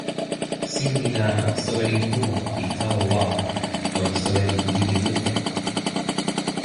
sin ni la, soweli Puwan li tawa wawa a lon soweli pi lili mute!